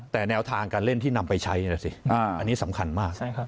แต่แนวทางการเล่นที่นำไปใช้นะสิอันนี้สำคัญมาก